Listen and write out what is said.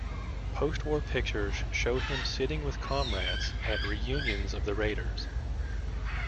Post-war pictures show him sitting with comrades at reunions of the Raiders.